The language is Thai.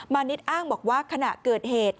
ณิชย์อ้างบอกว่าขณะเกิดเหตุ